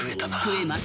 食えます。